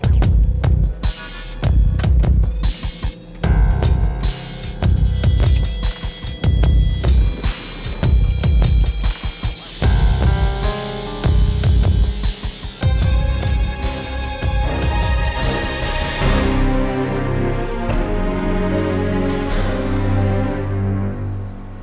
terminal dipegang darman